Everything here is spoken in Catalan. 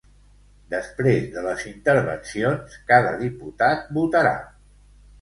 Després de les intervencions, cada diputat votarà.